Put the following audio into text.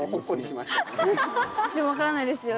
でも分からないですよ